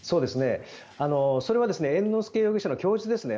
それは猿之助容疑者の供述ですね。